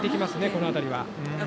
この辺りは。